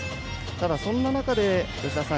そんな中で吉田さん